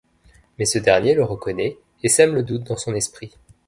Mais ce dernier le reconnait et sème le doute dans son esprit.